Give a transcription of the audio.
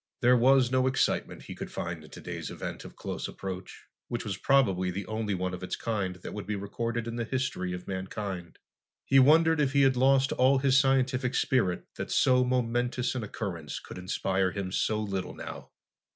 There was no excitement he could find in today's event of close approach, which was probably the only one of its kind that would be recorded in the history of mankind. He wondered if he had lost all his scientific spirit that so momentous an occurrence could inspire him so little now.